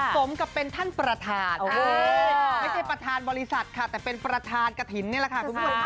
สมกับเป็นท่านประธานไม่ใช่ประธานบริษัทค่ะแต่เป็นประธานกฐินนี่แหละค่ะคุณผู้ชมค่ะ